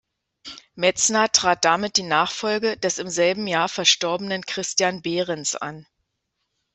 Metzner trat damit die Nachfolge des im selben Jahr verstorbenen Christian Behrens an.